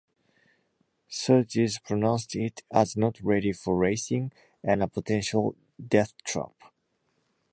Surtees pronounced it as not ready for racing, and a potential deathtrap.